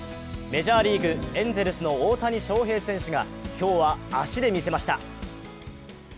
メジャーリーグ、エンゼルスの大谷翔平選手が今日は足で見せました。